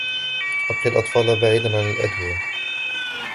أبق الأطفال بعيدا عن الأدوية.